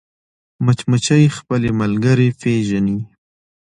مچمچۍ خپلې ملګرې پېژني